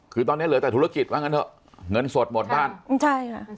คือตอนนี้เหลือแต่ธุรกิจว่างั้นเถอะเงินสดหมดบ้านใช่ค่ะ